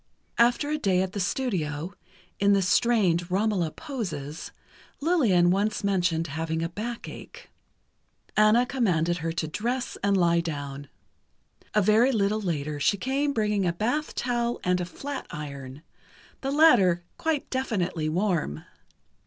After a day at the studio, in the strained "Romola" poses, Lillian once mentioned having a back ache. Anna commanded her to undress and lie down. A very little later she came bringing a bath towel, and a flat iron, the latter quite definitely warm.